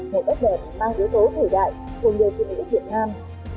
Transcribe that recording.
một bất đợt mang yếu tố khởi đại của người phụ nữ việt nam